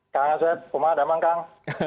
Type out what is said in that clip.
kang asep rumah ada emang kang